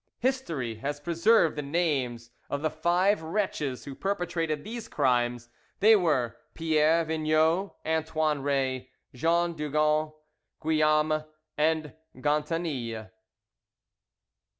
History has preserved the names of the five wretches who perpetrated these crimes: they were Pierre Vigneau, Antoine Rey, Jean d'Hugon, Guillaume, and Gontanille.